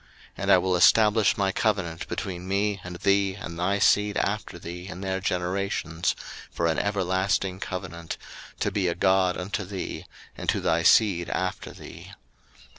01:017:007 And I will establish my covenant between me and thee and thy seed after thee in their generations for an everlasting covenant, to be a God unto thee, and to thy seed after thee.